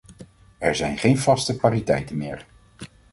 Er zijn geen vaste pariteiten meer.